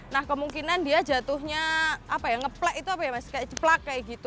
nah kemungkinan dia jatuhnya apa ya ngeplek itu apa ya cek cek cek cek cek cek cek